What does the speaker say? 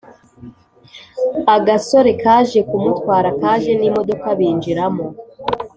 agasore kaje kumutwara kaje nimodoka binjiramo